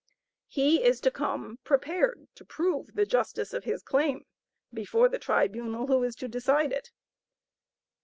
He is to come prepared to prove the justice of his claim before the tribunal who is to decide upon it.